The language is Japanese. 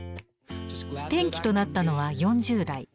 転機となったのは４０代。